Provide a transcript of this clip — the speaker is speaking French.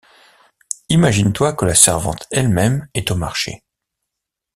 Imagine-toi que la servante elle-même est au marché.